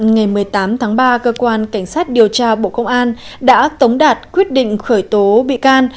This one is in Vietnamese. ngày một mươi tám tháng ba cơ quan cảnh sát điều tra bộ công an đã tống đạt quyết định khởi tố bị can